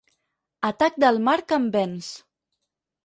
Atac del mar que em venç.